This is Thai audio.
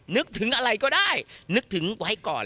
นึกถึงอะไรก็ได้นึกถึงไว้ก่อน